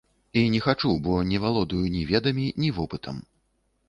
І не хачу, бо не валодаю ні ведамі, ні вопытам.